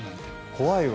怖いわ。